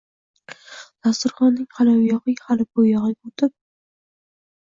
dasturxonning xali u yog’iga, xali bu yog’iga o’tib